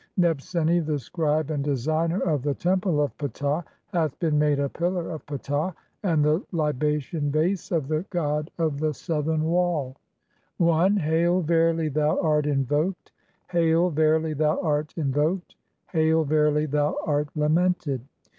Nebseni, the scribe and designer of the Temple of Ptah, "hath been made a pillar of Ptah, and the libation vase of the "god of the Southern Wall." I. (8) "Hail, verily thou art invoked; hail, verily thou art in "voked. Hail, verily thou art lamented.